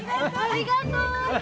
ありがとう。